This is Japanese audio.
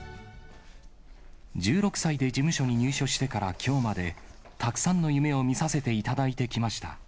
１６歳で事務所に入所してからきょうまで、たくさんの夢をみさせていただいてきました。